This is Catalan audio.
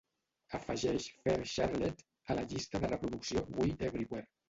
Afegeix Fair Charlotte a la llista de reproducció We Everywhere.